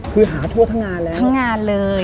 คือหาทั่วทั้งงานเลยทั้งงานเลย